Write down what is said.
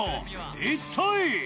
一体？